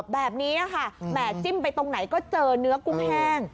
แบบนี้ค่ะแหม่จิ้มไปตรงไหนก็เจอเนื้อกุ้งแห้ง